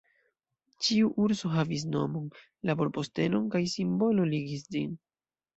Ĉiu urso havis nomon, laborpostenon, kaj simbolo ligis ĝin.